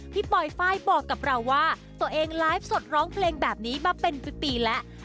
ปลอยไฟล์บอกกับเราว่าตัวเองไลฟ์สดร้องเพลงแบบนี้มาเป็นปีแล้ว